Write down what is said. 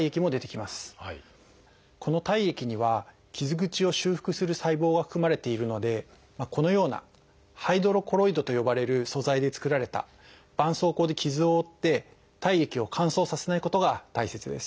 この体液には傷口を修復する細胞が含まれているのでこのような「ハイドロコロイド」と呼ばれる素材で作られたばんそうこうで傷を覆って体液を乾燥させないことが大切です。